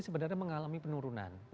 sebenarnya mengalami penurunan